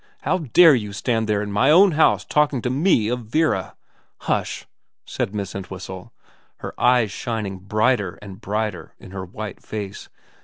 'How dare you stand there in my own house talking to me of Vera ?Hush,' said Miss Entwhistle, her eyes shining brighter and brighter in her white face.